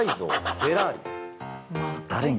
フェラーリ。